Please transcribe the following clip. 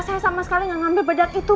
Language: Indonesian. saya sama sekali nggak ngambil bedak itu